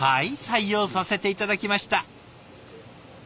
採用させて頂きました。